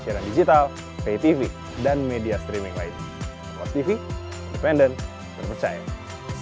kemudian akan menjadi basis bagi pemilu tujuh puluh satu ketika kekuatan untuk mengoreksi itu kalah